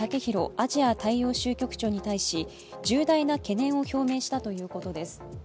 アジア大洋州局に対し重大な懸念を表明したということです。